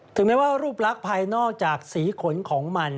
ถึงแม้ว่ารูปลักษณ์ภายนอกจากสีขนของมัน